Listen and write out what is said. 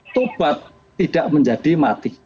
tobat tidak menjadi mati